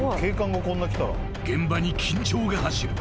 ［現場に緊張が走る］